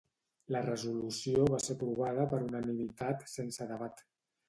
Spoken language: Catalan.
La resolució va ser aprovada per unanimitat sense debat.